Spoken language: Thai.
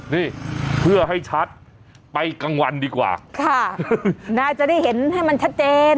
นี่เพื่อให้ชัดไปกลางวันดีกว่าค่ะน่าจะได้เห็นให้มันชัดเจน